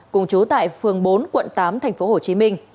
cùng chú tại phường bốn quận tám tp hcm